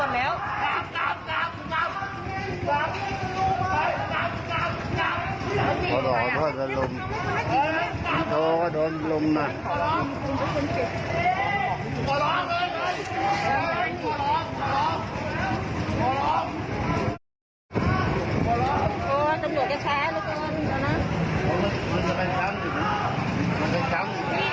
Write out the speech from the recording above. แล้วก็โดนก็ดูว่าถึงทำยังไหร่คุณผู้ชมมันก็มีนอกมึง